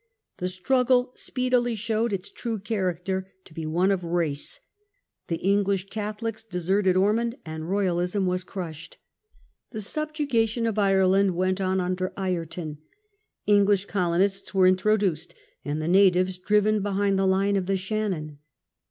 The struggle speedily showed its true character to be one of race: the English Catholics deserted Ormond and Royalism was crushed. The subjugation of Ireland went on under Ireton; English colonists were in troduced and the natives driven behind the line of the Shannon.